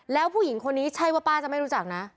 แล้วผู้หญิงคนนี้ใช่ว่าป้าจะไม่รู้จักนะ